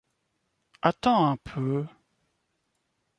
Attends un peu !